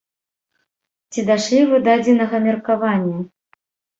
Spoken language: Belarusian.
Ці дашлі вы да адзінага меркавання?